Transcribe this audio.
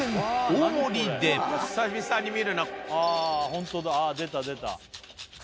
ホントだ出た出た。